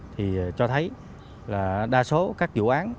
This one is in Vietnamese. thì cho thấy là đa số các dự án